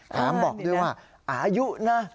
บอกด้วยว่าอายุนะ